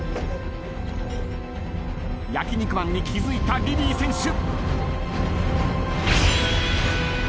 焼肉マンに気付いたリリー選手。